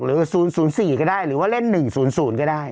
หรือ๐๐๔ก็ได้หรือว่าเล่น๑๐๐ก็ได้